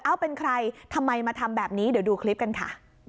เป็นใครทำไมมาทำแบบนี้เดี๋ยวดูคลิปกันค่ะ